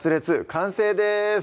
完成です